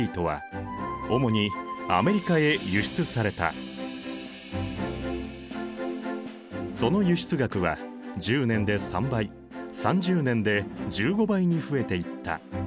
外国技術を導入したその輸出額は１０年で３倍３０年で１５倍に増えていった。